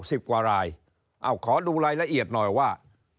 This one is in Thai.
สิบกว่ารายเอ้าขอดูรายละเอียดหน่อยว่า